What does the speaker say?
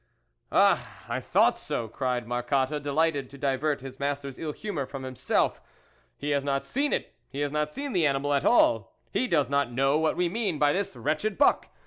"Ah, I thought so," cried Marcotte, delighted to divert his master's ill humour from himself, " he has not seen it, he has not seen the animal at all, he does not know what we mean by this wretched buck!